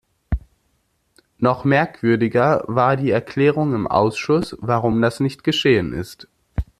Noch merkwürdiger war die Erklärung im Ausschuss, warum das nicht geschehen ist.